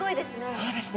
そうですね。